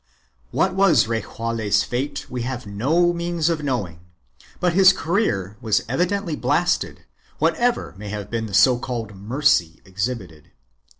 1 What was Rejaule's fate we have no means of knowing, but his career was evidently blasted, whatever may have been the so called mercy exhibited.